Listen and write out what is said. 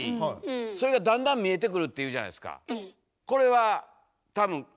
それがだんだん見えてくるっていうじゃないですか。